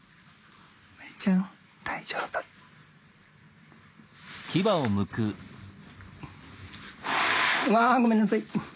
まりちゃん大丈夫。わごめんなさい。